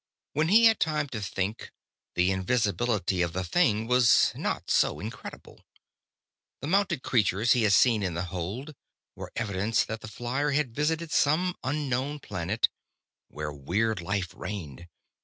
When he had time to think, the invisibility of the thing was not so incredible. The mounted creatures he had seen in the hold were evidence that the flier had visited some unknown planet, where weird life reigned.